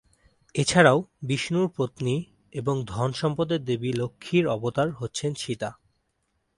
এছাড়াও, বিষ্ণুর পত্নী এবং ধন-সম্পদের দেবী লক্ষ্মী’র অবতার হচ্ছেন সীতা।